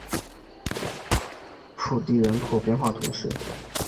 普迪人口变化图示